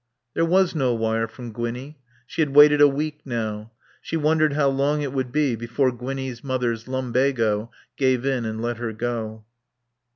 There was no wire from Gwinnie. She had waited a week now. She wondered how long it would be before Gwinnie's mother's lumbago gave in and let her go.